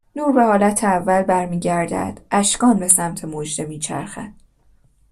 نور به حالت اول برمیگردد. اشکان به سمت مژده میچرخد